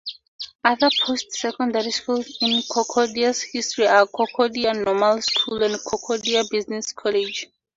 Other post-secondary schools in Concordia's history are Concordia Normal School and "Concordia Business College".